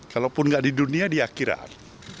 kalaupun nggak di dunia di akhirat